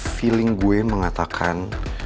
feeling gue mengatakan